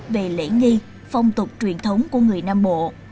về lễ nghi phong tục truyền thống của người nam bộ